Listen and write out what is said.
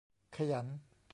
ขยัน